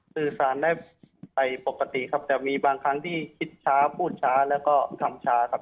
สื่อสารได้ไปปกติครับแต่มีบางครั้งที่คิดช้าพูดช้าแล้วก็ทำช้าครับ